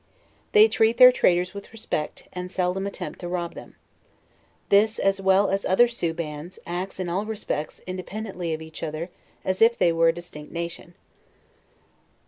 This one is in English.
They treat their traders with respect, and seldom attempt to rob them. This, as well as other Si oux bands, actc, in all respects, as independly of each other .as if they were a aistinct nation.